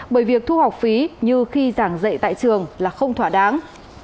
bởi việc thu học phí như khi giảng dạy tại trường là không thỏa đáng